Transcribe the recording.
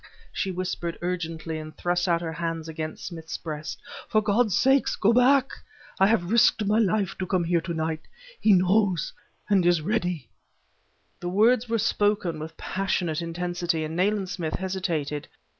she whispered urgently, and thrust out her hands against Smith's breast. "For God's sake, go back! I have risked my life to come here to night. He knows, and is ready!"... The words were spoken with passionate intensity, and Nayland Smith hesitated.